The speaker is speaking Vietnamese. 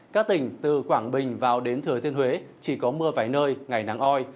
các tỉnh từ quảng bình vào đến thừa thiên huế chỉ có mưa vài nơi ngày nắng oi